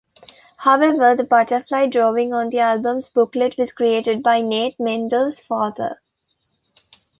However, the "butterfly" drawing on the album's booklet was created by Nate Mendel's father.